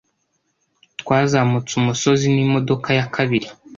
Twazamutse umusozi n'imodoka ya kabili.